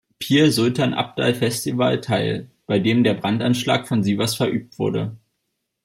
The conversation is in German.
Pir Sultan Abdal Festival teil, bei dem der Brandanschlag von Sivas verübt wurde.